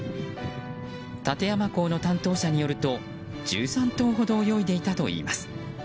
館山港の担当者によると１３頭ほど泳いでいたといいます。